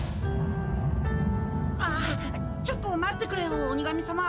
ああちょっと待ってくれよ鬼神さま。